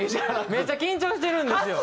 めっちゃ緊張してるんですよ。